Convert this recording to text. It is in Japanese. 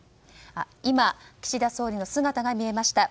今、岸田総理の姿が見えました。